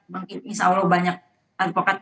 mungkin insya allah banyak advokat